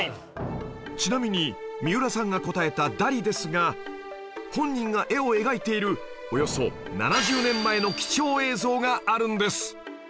ちなみに三浦さんが答えたダリですが本人が絵を描いているおよそ７０年前の貴重映像があるんです